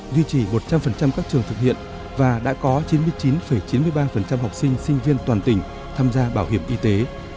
duy trì một trăm linh các trường thực hiện và đã có chín mươi chín chín mươi ba học sinh sinh viên toàn tỉnh tham gia bảo hiểm y tế